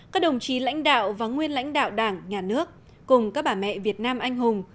các đồng chí lãnh đạo và nguyên lãnh đạo đảng nhà nước cùng các bà mẹ việt nam anh hùng